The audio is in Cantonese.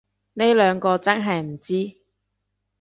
呢兩個真係唔知